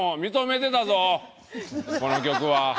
この曲は。